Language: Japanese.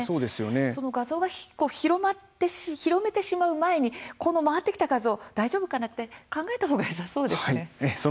画像を広めてしまう前に回ってきた画像大丈夫かなと考えた方がよさそうですね。